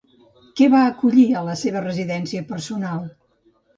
Què va acollir a la seva residència personal?